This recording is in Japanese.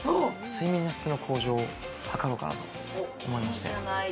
睡眠の質の向上を図ろうかなと思いまして。